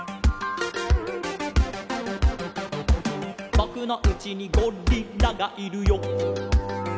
「ぼくのうちにゴリラがいるよ」